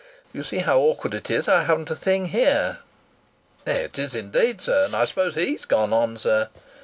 You see how awkward it is! I haven't a thing here." "It is indeed, sir. And I suppose he's gone on, sir?"